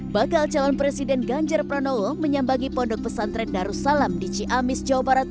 bakal calon presiden ganjar pranowo menyambangi pondok pesantren darussalam di ciamis jawa barat